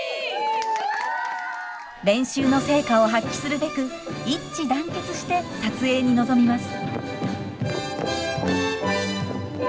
練習の成果を発揮するべく一致団結して撮影に臨みます。